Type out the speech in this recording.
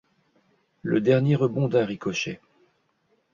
Le dernier rebond d’un ricochet.